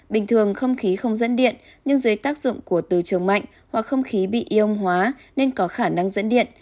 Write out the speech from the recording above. bình thường không khí không dân điện nhưng dưới tác dụng của từ trường mạnh hoặc không khí bị iong hóa nên có khả năng dẫn điện